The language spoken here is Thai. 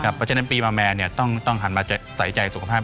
เพราะฉะนั้นปีมาแมนต้องหันมาใส่ใจสุขภาพ